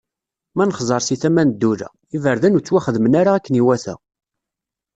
Ma nexẓer si tama n ddula: Iberdan ur ttwaxedmen ara akken iwata.